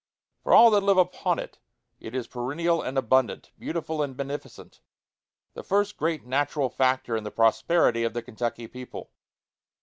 For all that live upon it, it is perennial and abundant, beautiful and beneficent the first great natural factor in the prosperity of the Kentucky people.